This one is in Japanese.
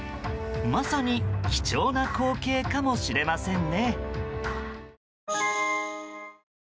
まさに貴重な光景かもしれませんね。